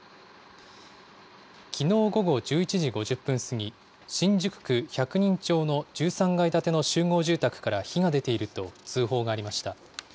きのう午後１１時５０分過ぎ、新宿区百人町の１３階建ての集合住宅から火が出ていると通報がありました。